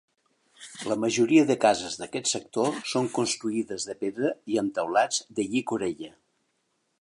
La majoria de cases d'aquest sector són construïdes de pedra i amb teulats de llicorella.